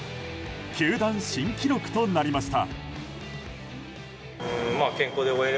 球団新記録となりました。